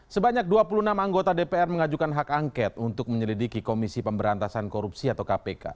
sebanyak dua puluh enam anggota dpr mengajukan hak angket untuk menyelidiki komisi pemberantasan korupsi atau kpk